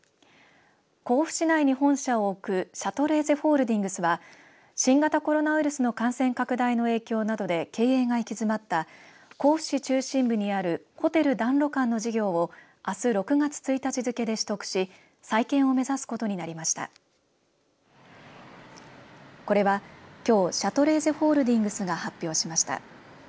甲府市内に本社を置くシャトレーゼホールディングスは新型コロナウイルスの感染拡大の影響などで経営が行き詰まった甲府市中心部にあるホテル談露館の事業をあす６月１日付で取得し再建を目指すことになりました。これはきょうシャトレーゼホールディングスが発表しました。